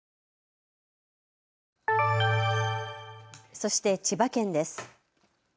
そして千葉県です。